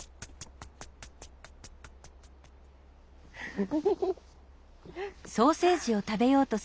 「フフフフフ」。